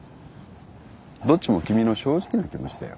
どっちも君の正直な気持ちだよ。